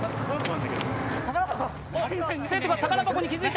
おっ生徒が宝箱に気付いた！